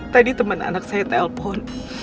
tadi teman anak saya telpon